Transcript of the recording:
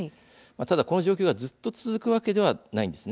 ただ、この状況がずっと続くわけではないんです。